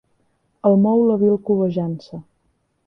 El mou la vil cobejança.